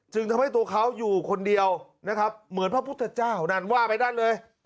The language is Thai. ทำให้ตัวเขาอยู่คนเดียวนะครับเหมือนพระพุทธเจ้านั่นว่าไปนั่นเลย